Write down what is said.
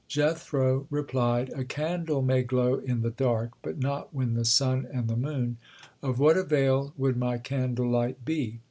Jethro replied: "A candle may glow in the dark, but not when the sun and the moon; of what avail would my candle light be?